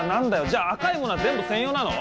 じゃあ赤いものは全部専用なの？